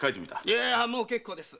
いやもう結構です。